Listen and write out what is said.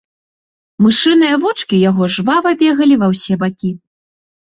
Мышыныя вочкі яго жвава бегалі ва ўсе бакі.